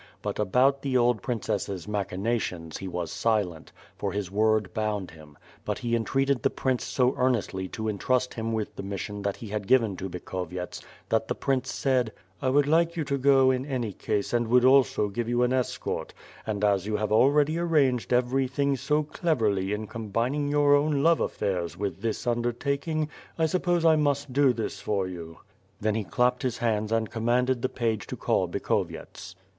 But about the old Princess's machinations he was silent, for his word bound him; but he entreated the Prince so earnestly to entrust him with the mission that he had given to Bikhovyets that the Prince said: "I would like you to go in any case and would also give you an escort, and as you have already arranged everything so cleverly in combining your own love affairs with this un dertaking, I suppose I must do this for you?" Then he clapped his hands and commanded the page to call Bikhovyets.